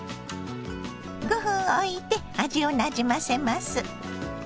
５分おいて味をなじませます。